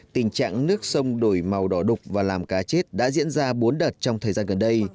tình trạng nước sông đổi màu đỏ đục và làm cá chết đã diễn ra bốn đợt trong thời gian gần đây